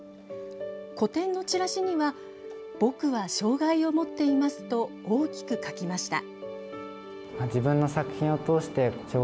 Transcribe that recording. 個展のチラシには「僕は障害を持っています。」と大きく書きました。